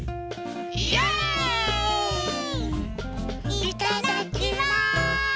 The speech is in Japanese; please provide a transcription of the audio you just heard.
いただきます！